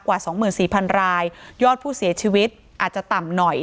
กว่า๒๔๐๐๐รายยอดผู้เสียชีวิตอาจจะต่ำหน่อย